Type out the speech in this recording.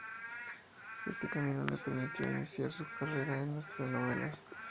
Éste cambio le permitió iniciar su carrera en las telenovelas.